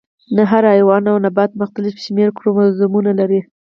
نه هر حیوان او نبات مختلف شمیر کروموزومونه لري